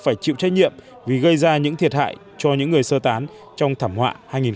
phải chịu trách nhiệm vì gây ra những thiệt hại cho những người sơ tán trong thảm họa hai nghìn một mươi